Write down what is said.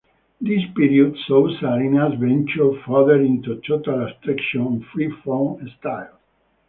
This period saw Salinas venture further into total abstraction and free form styles.